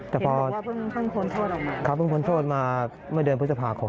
แต่พอเพิ่งพ้นโทษออกมาเขาพึ่งพ้นโทษมาเมื่อเดือนพฤษภาคม